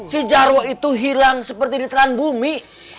si jarwo itu hilang seperti di telan bumi